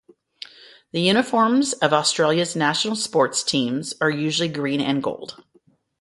The uniforms of Australia's national sports teams are usually green and gold.